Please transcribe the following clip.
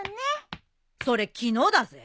それ昨日だぜ。